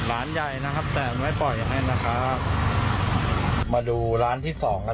ร้านใหญ่นะครับแต่ไม่ปล่อยให้นะคะมาดูร้านที่สองกัน